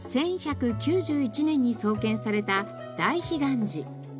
１１９１年に創建された大悲願寺。